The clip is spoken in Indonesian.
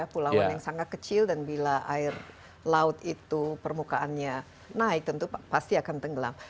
pulauan yang sangat kecil dan bila air laut itu permukaannya naik tentu pasti akan tenggelam